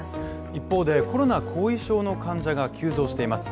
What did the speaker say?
一方で、コロナ後遺症の患者が急増しています。